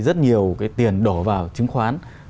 rất nhiều cái tiền đổ vào chứng khoán